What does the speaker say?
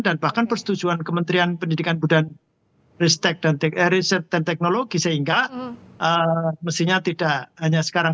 dan bahkan persetujuan kementerian pendidikan dan teknologi sehingga mestinya tidak hanya sekarang